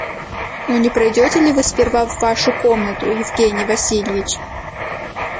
Но не пройдете ли вы сперва в вашу комнату, Евгений Васильич?